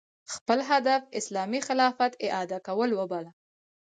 خپل هدف اسلامي خلافت اعاده کول وباله